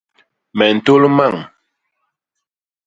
Me ntôl mañ.